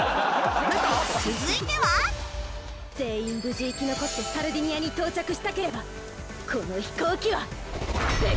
続いては全員無事生き残ってサルディニアに到着したければこの飛行機はぶっ壊す！